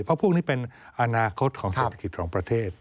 เพราะพวกนี้เป็นอนาคตของเศรษฐกิจของประเทศ